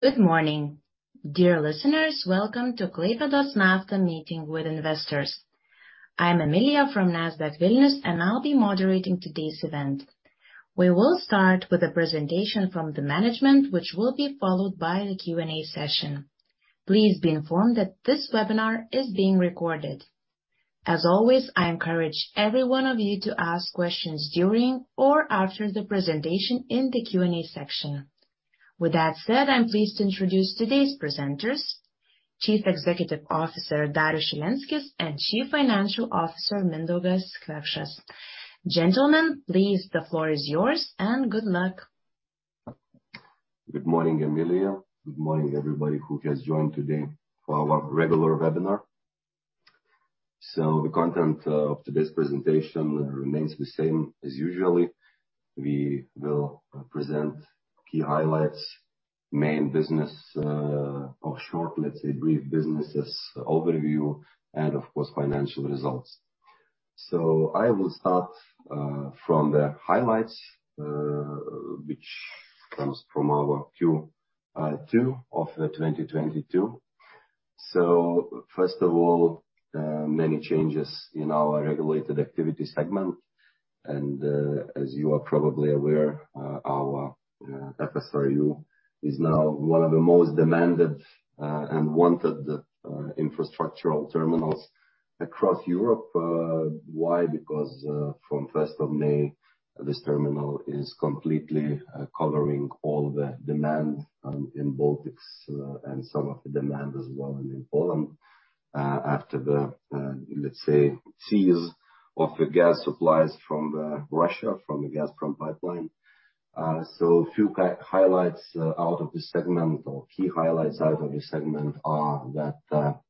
Good morning. Dear listeners, welcome to Klaipėdos Nafta Meeting with Investors. I'm Emilija Ivanauskaitė from Nasdaq Vilnius, and I'll be moderating today's event. We will start with a presentation from the management, which will be followed by the Q&A session. Please be informed that this webinar is being recorded. As always, I encourage every one of you to ask questions during or after the presentation in the Q&A section. With that said, I'm pleased to introduce today's presenters, Chief Executive Officer, Darius Šilenskis, and Chief Financial Officer, Mindaugas Kvekšas. Gentlemen, please, the floor is yours, and good luck. Good morning, Emilia. Good morning, everybody who has joined today for our regular webinar. The content of today's presentation remains the same as usual. We will present key highlights, main business, or short, let's say, brief businesses overview, and of course, financial results. I will start from the highlights, which comes from our Q2 of 2022. First of all, many changes in our regulated activity segment, and as you are probably aware, our FSRU is now one of the most demanded and wanted infrastructural terminals across Europe. Why? Because from first of May, this terminal is completely covering all the demand in Baltics and some of the demand as well in Poland after the, let's say, cease of the gas supplies from Russia, from the Gazprom pipeline. Key highlights out of this segment are that,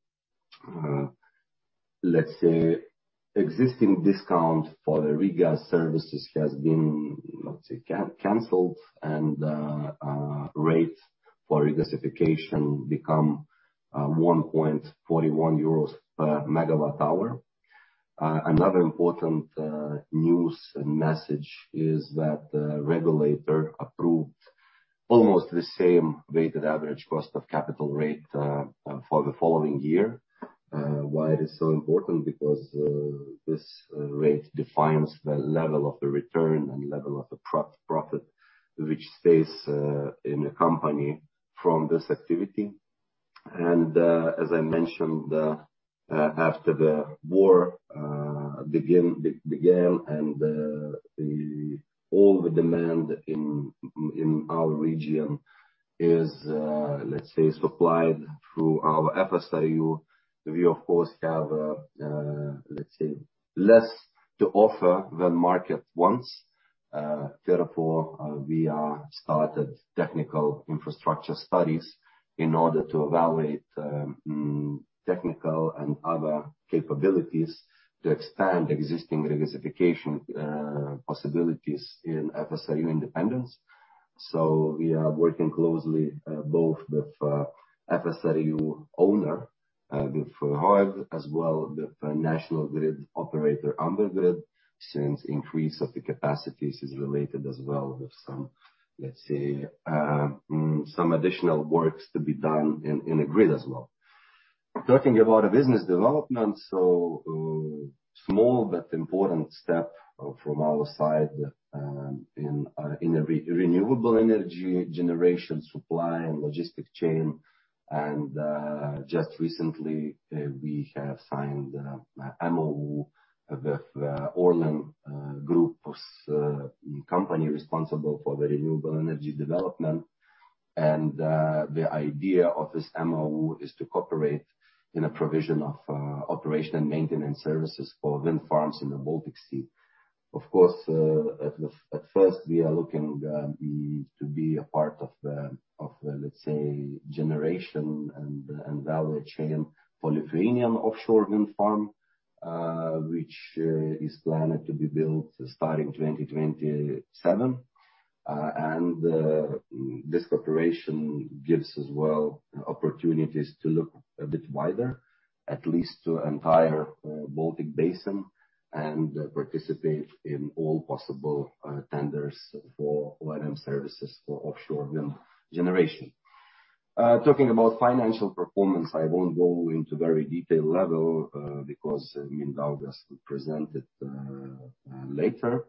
let's say existing discount for the regas services has been, let's say, canceled and rates for regasification become 1.41 euros per MWh. Another important news and message is that the regulator approved almost the same weighted average cost of capital rate for the following year. Why it is so important? Because this rate defines the level of the return and level of the profit which stays in the company from this activity. As I mentioned, after the war began, all the demand in our region is, let's say, supplied through our FSRU. We of course have, let's say, less to offer than market wants. Therefore, we started technical infrastructure studies in order to evaluate technical and other capabilities to expand existing regasification possibilities in FSRU Independence. We are working closely both with FSRU owner, with Höegh, as well with national grid operator, Amber Grid, since increase of the capacities is related as well with some, let's say, some additional works to be done in the grid as well. Talking about business development, small but important step from our side, in renewable energy generation supply and logistics chain. Just recently, we have signed a MOU with ORLEN Group's company responsible for the renewable energy development. The idea of this MOU is to cooperate in a provision of operation and maintenance services for wind farms in the Baltic Sea. Of course, at first, we are looking to be a part of, let's say, generation and value chain for Lithuanian offshore wind farm, which is planned to be built starting 2027. This cooperation gives as well opportunities to look a bit wider, at least to entire Baltic Basin and participate in all possible tenders for O&M services for offshore wind generation. Talking about financial performance, I won't go into very detailed level because Mindaugas will present it later.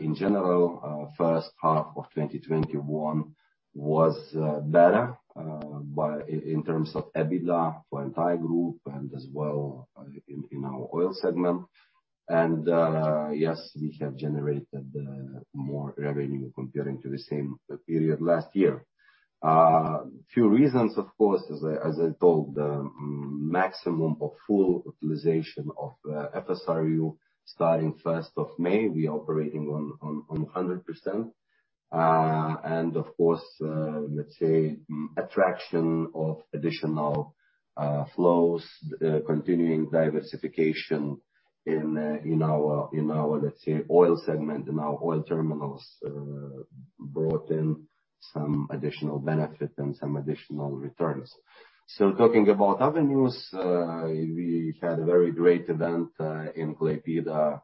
In general, first half of 2021 was better in terms of EBITDA for entire group and as well in our oil segment. Yes, we have generated more revenue compared to the same period last year. Few reasons, of course, as I told, maximum or full utilization of FSRU starting first of May. We're operating on 100%. Of course, let's say, attraction of additional flows, continuing diversification in our oil segment, in our oil terminals, brought in some additional benefit and some additional returns. Talking about other news, we had a very great event in Klaipėda,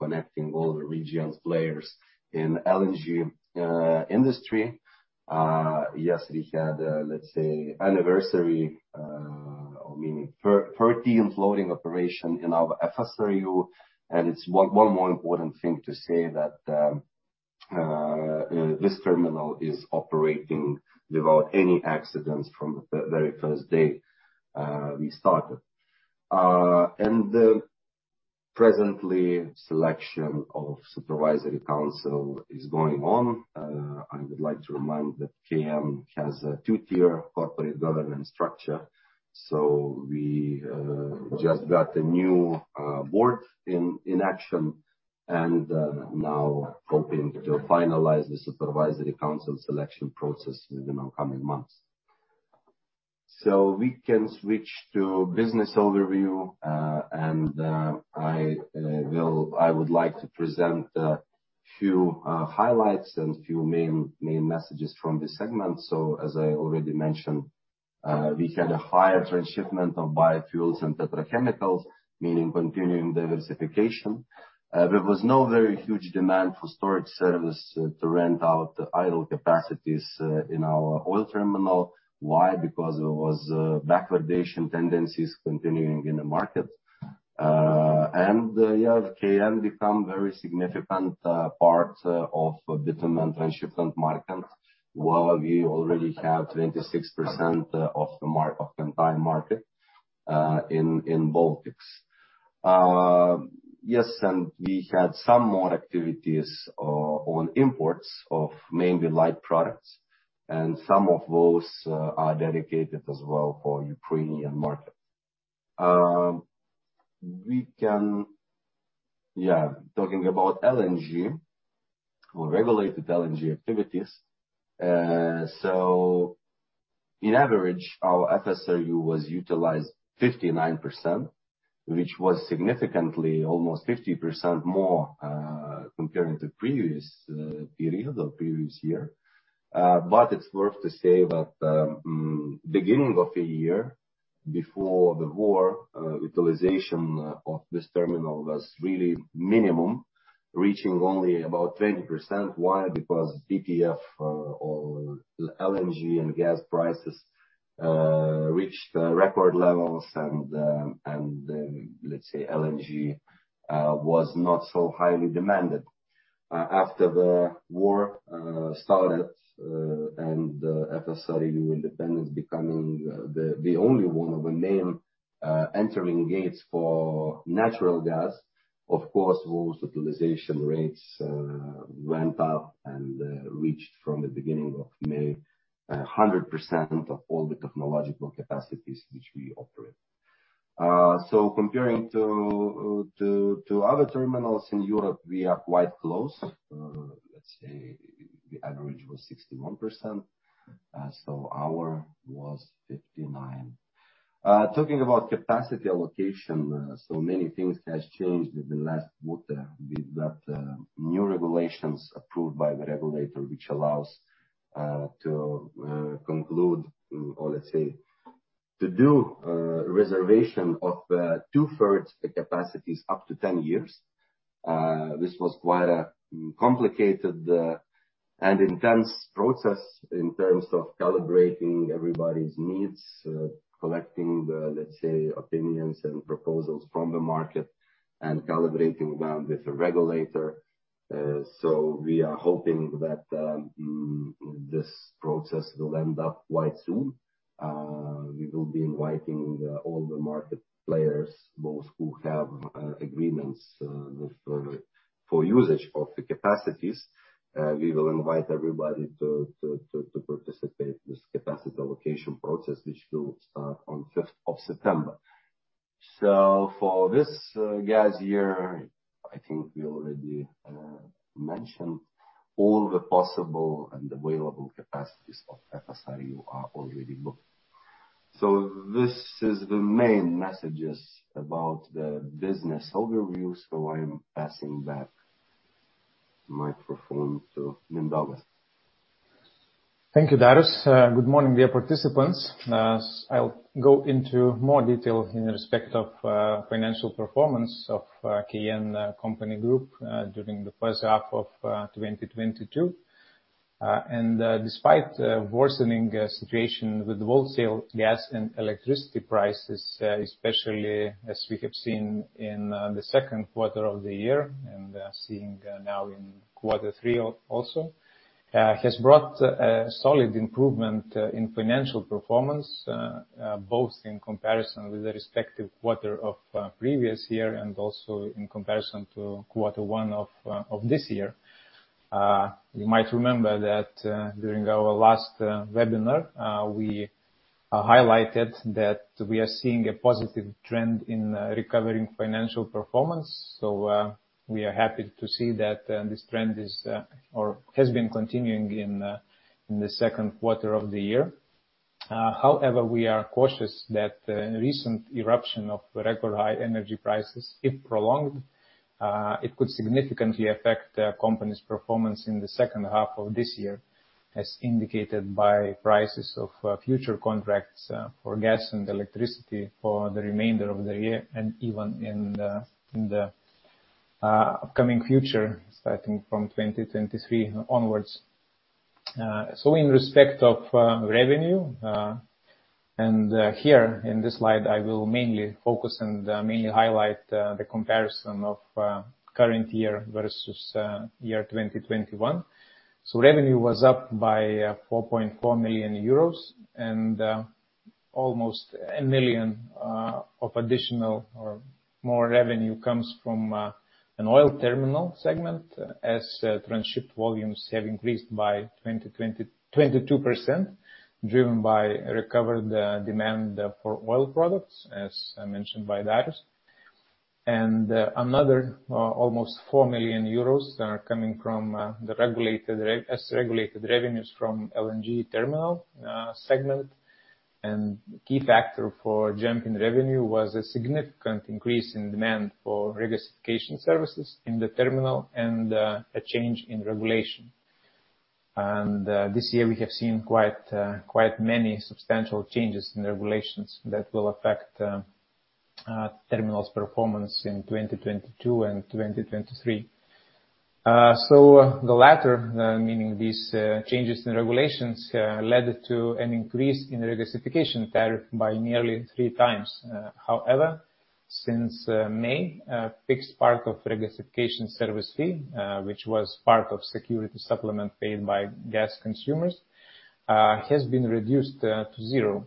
connecting all the region's players in LNG industry. Yes, we had, let's say, anniversary, I mean, 13th loading operation in our FSRU, and it's one more important thing to say that this terminal is operating without any accidents from the very first day we started. Presently, selection of supervisory council is going on. I would like to remind that KN has a two-tier corporate governance structure. We just got a new board in action, and now hoping to finalize the supervisory council selection process within upcoming months. We can switch to business overview, and I would like to present a few highlights and few main messages from this segment. As I already mentioned, we had a higher transshipment of biofuels and petrochemicals, meaning continuing diversification. There was no very huge demand for storage service to rent out idle capacities in our oil terminal. Why? Because there was backwardation tendencies continuing in the market. KN become very significant part of bitumen transshipment market, while we already have 26% of entire market in Baltics. Yes, we had some more activities on imports of mainly light products, and some of those are dedicated as well for Ukrainian market. Talking about LNG or regulated LNG activities. On average, our FSRU was utilized 59%, which was significantly almost 50% more comparing to previous period or previous year. But it's worth to say that, beginning of the year, before the war, utilization of this terminal was really minimum, reaching only about 20%. Why? Because TTF, or LNG and gas prices, reached record levels and, let's say LNG was not so highly demanded. After the war started and the FSRU Independence becoming the only one of the main entry gates for natural gas, of course those utilization rates went up and reached from the beginning of May, 100% of all the technological capacities which we operate. Comparing to other terminals in Europe, we are quite close. Let's say the average was 61%, so ours was 59%. Talking about capacity allocation, many things has changed in the last quarter. We got new regulations approved by the regulator, which allows to conclude or let's say to do reservation of two-thirds the capacities up to 10 years. This was quite a complicated and intense process in terms of calibrating everybody's needs, collecting the, let's say, opinions and proposals from the market and calibrating them with the regulator. We are hoping that this process will end up quite soon. We will be inviting all the market players, those who have agreements for usage of the capacities. We will invite everybody to participate in this capacity allocation process, which will start on 15 September 2022. For this gas year, I think we already mentioned all the possible and available capacities of FSRU are already booked. This is the main messages about the business overview. I'm passing back microphone to Mindaugas. Thank you, Darius. Good morning, dear participants. I'll go into more detail in respect of financial performance of KN company group during the first half of 2022. Despite worsening situation with wholesale gas and electricity prices, especially as we have seen in the Q2 of the year and seeing now in Q3 also, has brought a solid improvement in financial performance both in comparison with the respective quarter of previous year and also in comparison to Q1 of this year. You might remember that during our last webinar we highlighted that we are seeing a positive trend in recovering financial performance. We are happy to see that this trend is or has been continuing in the Q2 of the year. However, we are cautious that recent eruption of record high energy prices, if prolonged, it could significantly affect the company's performance in the second half of this year, as indicated by prices of futures contracts for gas and electricity for the remainder of the year and even in the upcoming future, starting from 2023 onwards. In respect of revenue, and here in this slide, I will mainly focus and mainly highlight the comparison of current year versus year 2021. Revenue was up by 4.4 million euros. Almost 1 million of additional or more revenue comes from an oil terminal segment as transshipped volumes have increased by 22% driven by recovered demand for oil products, as mentioned by Darius. Another almost 4 million euros are coming from regulated revenues from LNG terminal segment. The key factor for jump in revenue was a significant increase in demand for regasification services in the terminal and a change in regulation. This year we have seen quite many substantial changes in the regulations that will affect terminal's performance in 2022 and 2023. The latter, meaning these changes in regulations, led to an increase in regasification tariff by nearly 3x. However, since May, a fixed part of regasification service fee, which was part of security supplement paid by gas consumers, has been reduced to zero.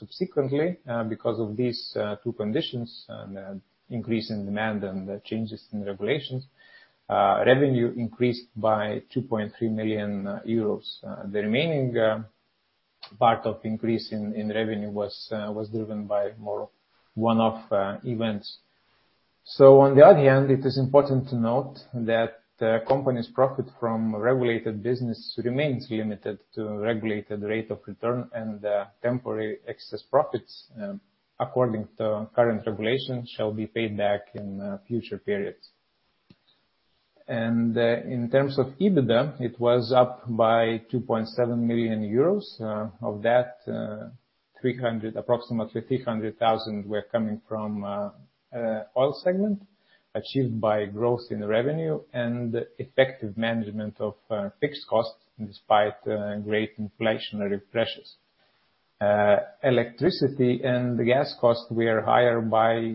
Subsequently, because of these two conditions, increase in demand and changes in the regulations, revenue increased by 2.3 million euros. The remaining part of increase in revenue was driven by more one-off events. On the other hand, it is important to note that the company's profit from regulated business remains limited to regulated rate of return and temporary excess profits, according to current regulations, shall be paid back in future periods. In terms of EBITDA, it was up by 2.7 million euros. Of that, approximately 300,000 were coming from oil segment, achieved by growth in the revenue and effective management of fixed costs despite great inflationary pressures. Electricity and the gas costs were higher by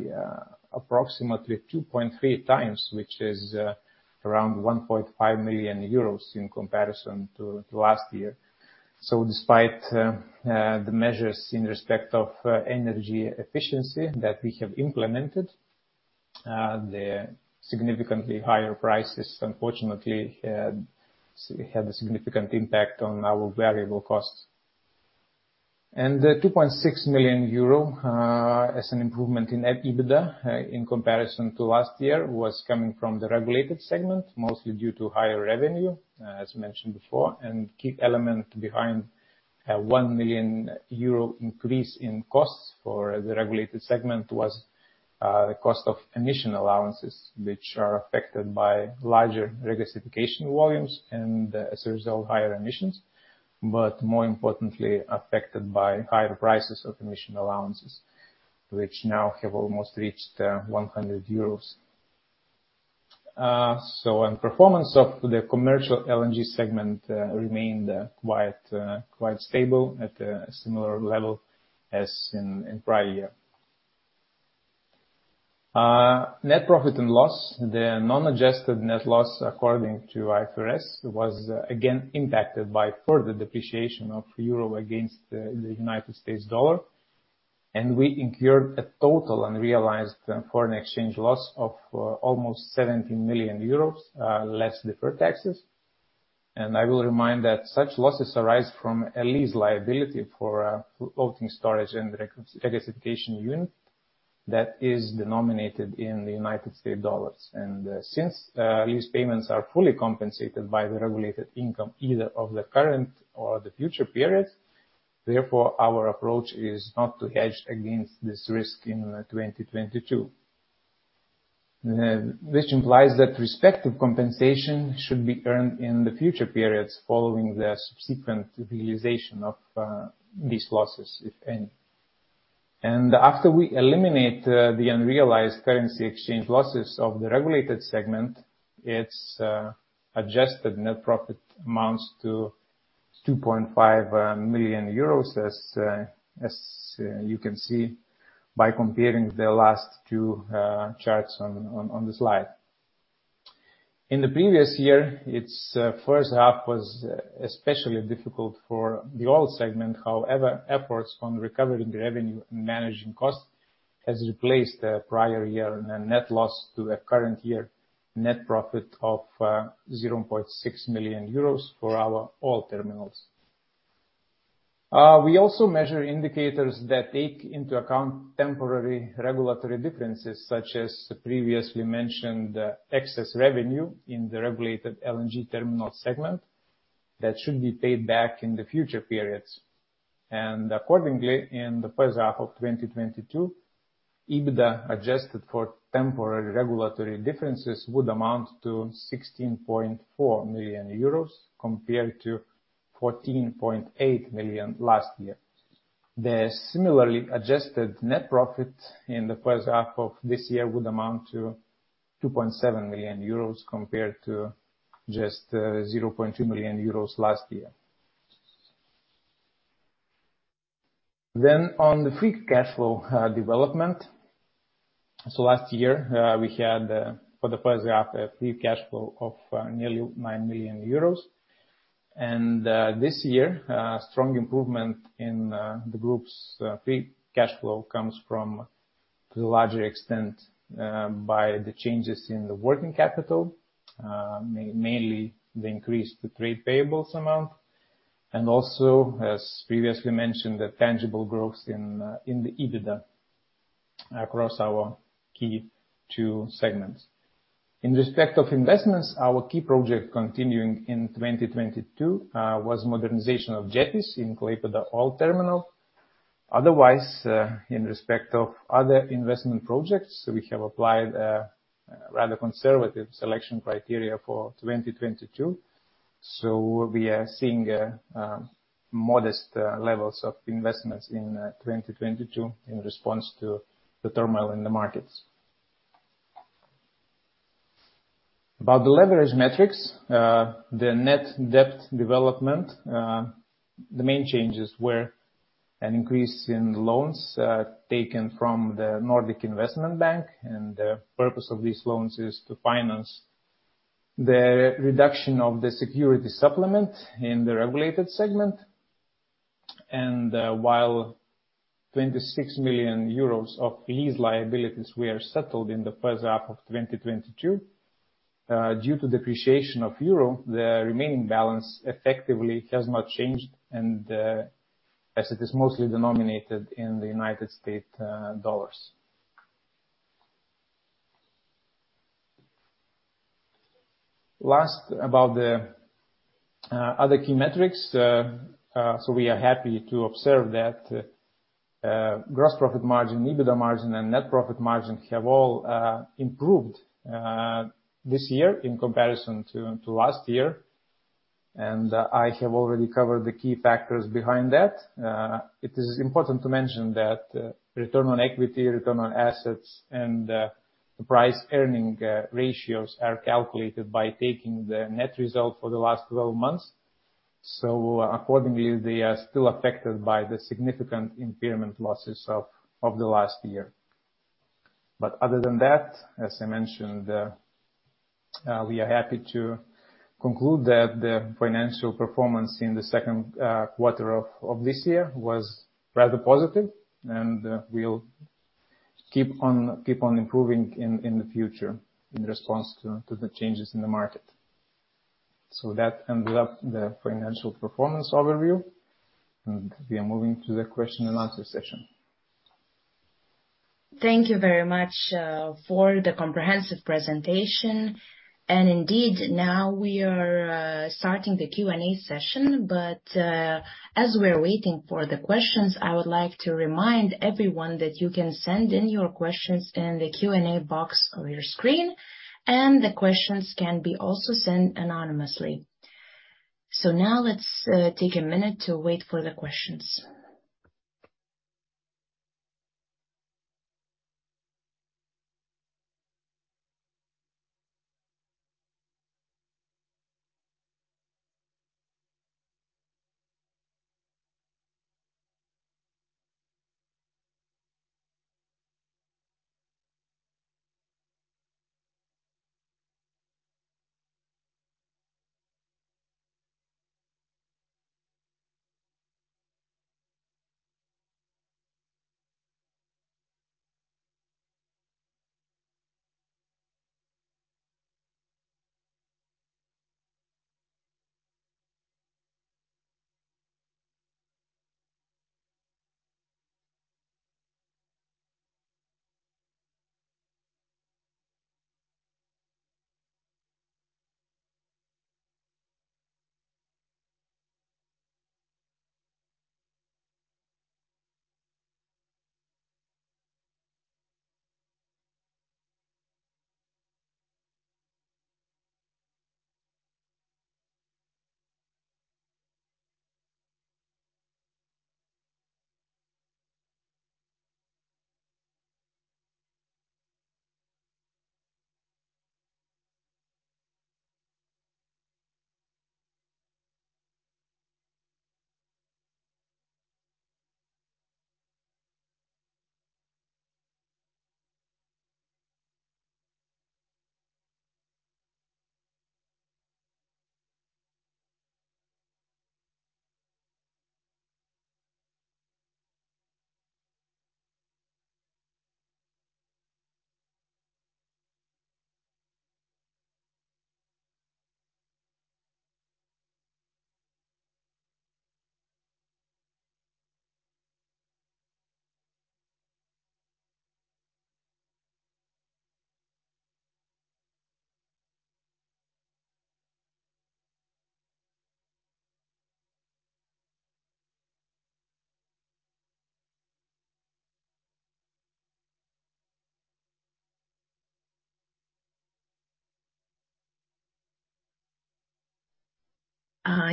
approximately 2.3x, which is around 1.5 million euros in comparison to last year. Despite the measures in respect of energy efficiency that we have implemented, the significantly higher prices unfortunately had a significant impact on our variable costs. The 2.6 million euro as an improvement in EBITDA in comparison to last year was coming from the regulated segment, mostly due to higher revenue as mentioned before. Key element behind a 1 million euro increase in costs for the regulated segment was the cost of emission allowances, which are affected by larger regasification volumes and as a result, higher emissions, but more importantly, affected by higher prices of emission allowances, which now have almost reached 100 euros. Performance of the commercial LNG segment remained quite stable at a similar level as in prior year. Net profit and loss. The non-adjusted net loss according to IFRS was again impacted by further depreciation of euro against the United States dollar. We incurred a total unrealized foreign exchange loss of almost 70 million euros, less deferred taxes. I will remind that such losses arise from a lease liability for floating storage and regasification unit that is denominated in the United States dollars. Since lease payments are fully compensated by the regulated income either of the current or the future periods, therefore, our approach is not to hedge against this risk in 2022. Which implies that respective compensation should be earned in the future periods following the subsequent realization of these losses, if any. After we eliminate the unrealized currency exchange losses of the regulated segment, its adjusted net profit amounts to 2.5 million euros, as you can see by comparing the last two charts on the slide. In the previous year, its first half was especially difficult for the oil segment. However, efforts on recovering the revenue and managing costs has replaced the prior year net loss to a current year net profit of 0.6 million euros for our oil terminals. We also measure indicators that take into account temporary regulatory differences, such as the previously mentioned excess revenue in the regulated LNG terminal segment that should be paid back in the future periods. Accordingly, in the first half of 2022, EBITDA adjusted for temporary regulatory differences would amount to 16.4 million euros compared to 14.8 million last year. The similarly adjusted net profit in the first half of this year would amount to 2.7 million euros compared to just 0.2 million euros last year. On the free cash flow development. Last year, we had, for the first half, a free cash flow of nearly 9 million euros. This year, strong improvement in the group's free cash flow comes from, to the larger extent, by the changes in the working capital, mainly the increase to trade payables amount, and also, as previously mentioned, the tangible growth in the EBITDA across our key two segments. In respect of investments, our key project continuing in 2022 was modernization of jetties in Klaipėda Oil Terminal. Otherwise, in respect of other investment projects, we have applied a rather conservative selection criteria for 2022. We are seeing modest levels of investments in 2022 in response to the turmoil in the markets. About the leverage metrics, the net debt development, the main changes were an increase in loans taken from the Nordic Investment Bank, and the purpose of these loans is to finance the reduction of the security supplement in the regulated segment. While 26 million euros of lease liabilities were settled in the first half of 2022, due to depreciation of euro, the remaining balance effectively has not changed and, as it is mostly denominated in the United States dollars. Last, about the other key metrics. We are happy to observe that gross profit margin, EBITDA margin, and net profit margin have all improved this year in comparison to last year. I have already covered the key factors behind that. It is important to mention that return on equity, return on assets, and the price-earnings ratios are calculated by taking the net result for the last 12 months. Accordingly, they are still affected by the significant impairment losses of the last year. Other than that, as I mentioned, we are happy to conclude that the financial performance in the second quarter of this year was rather positive, and we'll keep on improving in the future in response to the changes in the market. That ends up the financial performance overview, and we are moving to the question and answer session. Thank you very much for the comprehensive presentation. Indeed, now we are starting the Q&A session. As we're waiting for the questions, I would like to remind everyone that you can send in your questions in the Q&A box on your screen, and the questions can be also sent anonymously. Now let's take a minute to wait for the questions.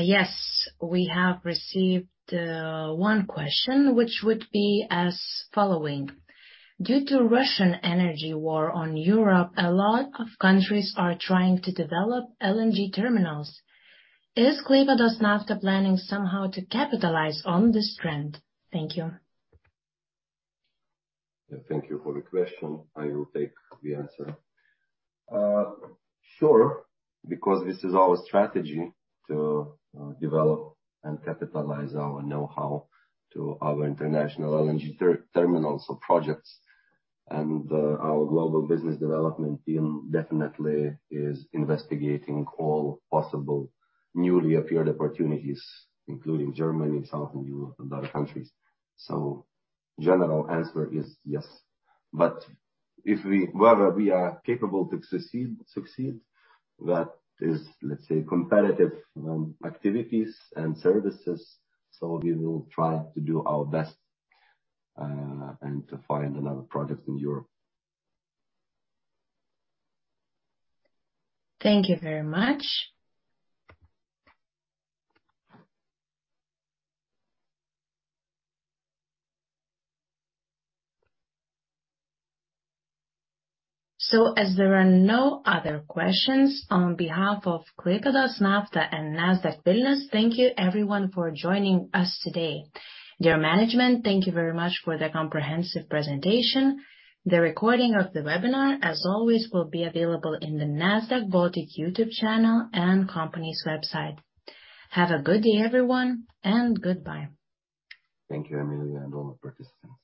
Yes. We have received one question which would be as following: Due to Russian energy war on Europe, a lot of countries are trying to develop LNG terminals. Is AB Klaipėdos Nafta planning somehow to capitalize on this trend? Thank you. Yeah. Thank you for the question. I will take the answer. Sure, because this is our strategy to develop and capitalize our knowhow to our international LNG terminals or projects. Our global business development team definitely is investigating all possible newly appeared opportunities, including Germany and Southern Europe, and other countries. General answer is yes. Whether we are capable to succeed, that is, let's say, competitive activities and services. We will try to do our best and to find another project in Europe. Thank you very much. As there are no other questions, on behalf of Klaipėdos Nafta and Nasdaq Vilnius, thank you everyone for joining us today. Dear management, thank you very much for the comprehensive presentation. The recording of the webinar, as always, will be available in the Nasdaq Baltic YouTube channel and company's website. Have a good day, everyone, and goodbye. Thank you, Emilija and all the participants. Goodbye.